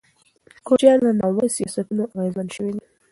کوچیان له ناوړه سیاستونو اغېزمن شوي دي.